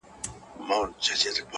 له بدانو سره ښه په دې معنا ده,